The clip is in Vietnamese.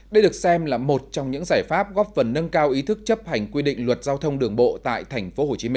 đây được xem là một trong những giải pháp góp phần nâng cao ý thức chấp hành quy định luật giao thông đường bộ tại tp hcm